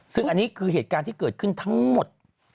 ซึ่งอันนี้คือเหตุการณ์ที่เกิดขึ้นทั้งหมด